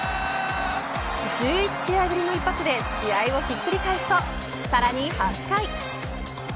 １１試合ぶりの一発で試合をひっくり返すとさらに８回。